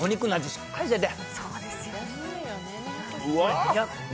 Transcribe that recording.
しっかりしてて。